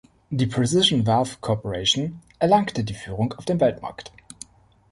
Die Precision Valve Corporation erlangte die Führung auf dem Weltmarkt.